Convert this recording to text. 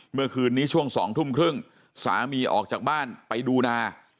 เมื่อคืนนี้ช่วง๒ทุ่มครึ่งสามีออกจากบ้านไปดูนา